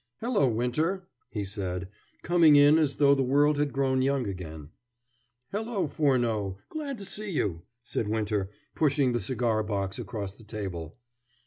"Hello, Winter," he said, coming in as though the world had grown young again. "Hello, Furneaux, glad to see you," said Winter, pushing the cigar box across the table.